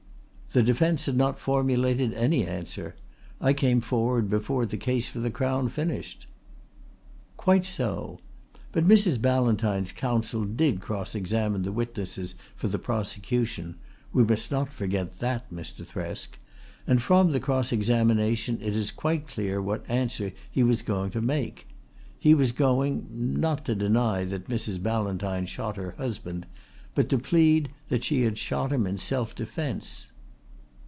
"The defence had not formulated any answer. I came forward before the case for the Crown finished." "Quite so. But Mrs. Ballantyne's counsel did cross examine the witnesses for the prosecution we must not forget that, Mr. Thresk and from the cross examination it is quite clear what answer he was going to make. He was going not to deny that Mrs. Ballantyne shot her husband but to plead that she shot him in self defence."